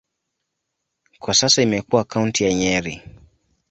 Kwa sasa imekuwa kaunti ya Nyeri.